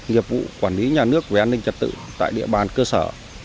nghiệp vụ quản lý nhà nước về an ninh trật tự tại địa bàn cơ sở